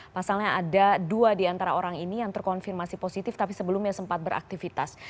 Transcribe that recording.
pasalnya ada dua di antara orang ini yang terkonfirmasi positif tapi sebelumnya sempat beraktivitas